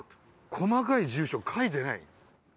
細かい住所書いてない。